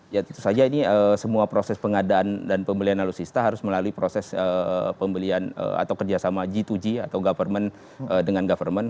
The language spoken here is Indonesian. ya tentu saja ini semua proses pengadaan dan pembelian alutsista harus melalui proses pembelian atau kerjasama g dua g atau government dengan government